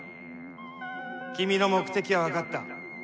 君の目的は分かった。